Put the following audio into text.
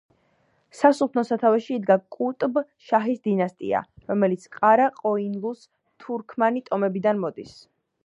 სასულთნოს სათავეში იდგა კუტბ შაჰის დინასტია, რომელიც ყარა-ყოინლუს თურქმანი ტომებიდან მოდის.